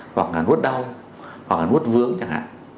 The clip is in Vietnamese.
hoặc là nguốt đau hoặc là nuốt vướng chẳng hạn